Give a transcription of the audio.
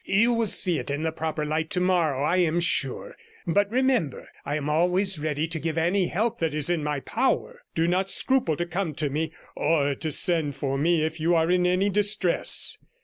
You will see it in the proper light tomorrow, I am sure. But, remember, I am always ready to give any help that is in my power; do not scruple to come to me, or to send for me if you are in any distress.'